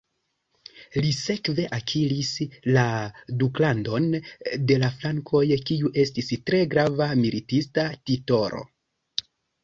Li sekve akiris la "Duklandon de la Frankoj", kiu estis tre grava militista titolo.